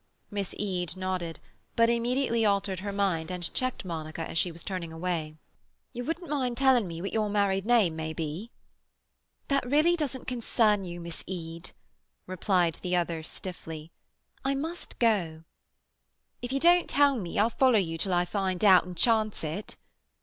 Miss Eade nodded, but immediately altered her mind and checked Monica as she was turning away. "You wouldn't mind telling me what your married name may be?" "That really doesn't concern you, Miss Eade," replied the other stiffly. "I must go—" "If you don't tell me, I'll follow you till I find out, and chance it!"